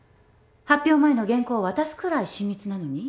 発表前の原稿を渡すくらい親密なのに？